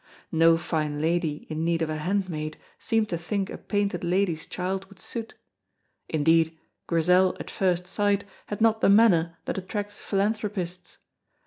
No fine lady in need of a handmaid seemed to think a painted lady's child would suit; indeed, Grizel at first sight had not the manner that attracts philanthropists.